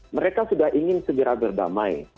mereka sudah ingin segera berdamai